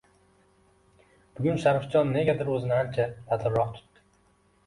Bugun Sharifjon negadir oʻzini ancha dadilroq tutdi.